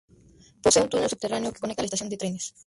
Posee un túnel subterráneo que conecta a la estación de trenes.